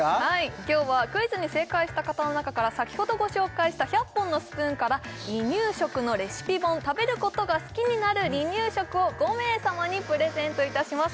今日はクイズに正解した方の中から先ほどご紹介した１００本のスプーンから離乳食のレシピ本「食べることが好きになる離乳食」を５名様にプレゼントいたします